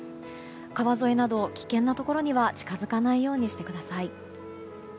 川沿いなど危険なところには近づかないようにしてください。